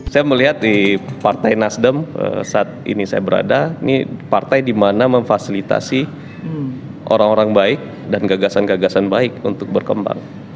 saya melihat di partai nasdem saat ini saya berada ini partai di mana memfasilitasi orang orang baik dan gagasan gagasan baik untuk berkembang